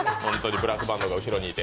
ブラスバンドが後ろにいて。